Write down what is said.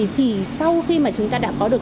thì sau khi mà chúng ta đã có được